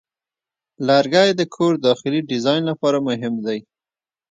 لرګی د کور داخلي ډیزاین لپاره مهم دی.